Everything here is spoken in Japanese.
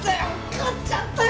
勝っちゃったよ